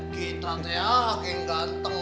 gitu ah kaya ganteng